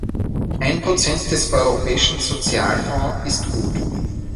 Ein Prozent des Europäischen Sozialfonds ist gut.